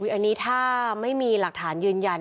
อันนี้ถ้าไม่มีหลักฐานยืนยัน